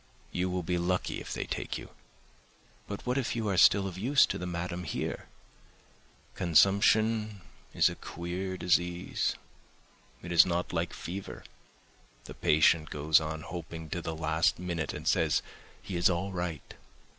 You will be lucky if they take you, but what if you are still of use to the madam here? Consumption is a queer disease, it is not like fever. The patient goes on hoping till the last minute and says he is all right.